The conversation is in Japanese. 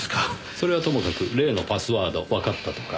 それはともかく例のパスワードわかったとか。